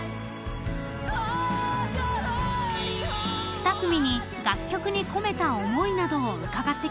［２組に楽曲に込めた思いなどを伺ってきました］